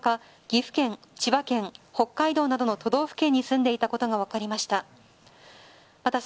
岐阜県、千葉県北海道などの都道府県に住んでいたことが分かりました。